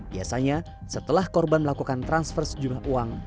biasanya setelah korban melakukan transfer sejumlah uang